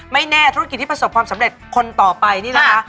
ไม่แน่ธุรกิจที่ประสบความสำเร็จคนต่อไปนี่นะคะ